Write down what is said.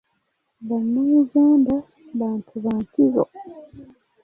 Bannayuganda bantu ba nkizo.